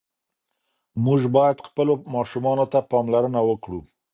موږ باید خپلو ماشومانو ته پاملرنه وکړو.